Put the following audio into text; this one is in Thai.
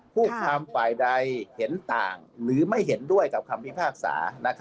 ผู้ทำฝ่ายใดเห็นต่างหรือไม่เห็นด้วยกับคำพิพากษา